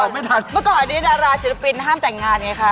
เมื่อก่อนนี้ดาราศิลปินห้ามแต่งงานไงคะ